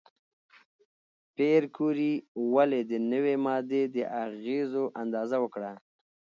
پېیر کوري ولې د نوې ماده د اغېزو اندازه وکړه؟